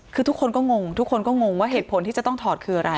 คือทุกคนก็งงทุกคนก็งงว่าเหตุผลที่จะต้องถอดคืออะไร